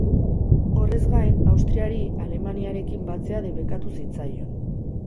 Horrez gain, Austriari Alemaniarekin batzea debekatu zitzaion.